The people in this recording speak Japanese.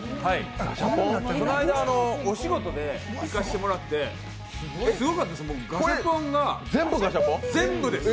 この間、お仕事で行かせてもらってすごかったです